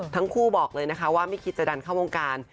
บอกเลยนะคะว่าไม่คิดจะดันเข้าวงการ